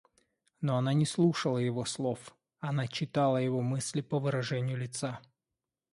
Но она не слушала его слов, она читала его мысли по выражению лица.